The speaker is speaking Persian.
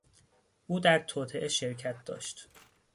او در توطئه شرکت داشت.